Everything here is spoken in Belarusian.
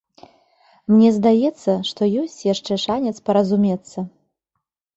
Мне здаецца, што ёсць яшчэ шанец паразумецца.